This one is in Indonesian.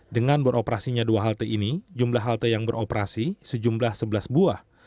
dengan beroperasinya dua halte ini jumlah halte yang beroperasi sejumlah sebelas buah